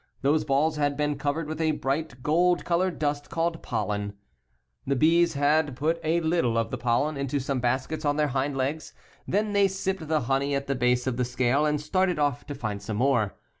L Those balls had been covered with a bright gold colored dust called pollen {Figures 4 and 5). The bees had put a little of the pollen into some baskets on their hind legs. Then they sipped the honey at the base of the scale and started off to find some more.